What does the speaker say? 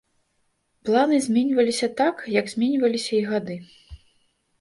Планы зменьваліся так, як зменьваліся і гады.